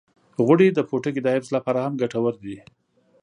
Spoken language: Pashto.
غوړې د پوټکي د حفظ لپاره هم ګټورې دي.